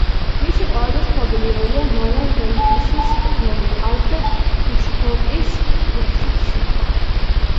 მისი ყველაზე ცნობილი როლია ნორმან ბეიტსის როლი ალფრედ ჰიჩკოკის ფილმში „ფსიქო“.